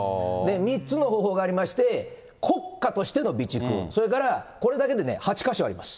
３つの方法がありまして、国家としての備蓄、それからこれだけで８か所あります。